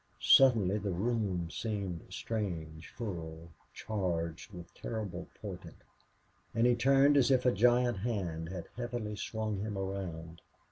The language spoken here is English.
Suddenly the room seemed strange, full, charged with terrible portent. And he turned as if a giant hand had heavily swung him around.